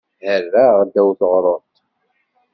Herraɣ ddaw teɣruḍt.